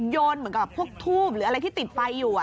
โยนเหมือนกับพวกทูบหรืออะไรที่ติดไฟอยู่